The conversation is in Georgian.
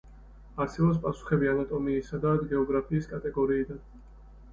არსებობს პასუხები ანატომიისა და გეოგრაფიის კატეგორიიდან.